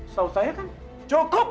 saat saya kan cukup